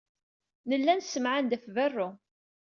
Nella nessemɛan-d ɣef berru.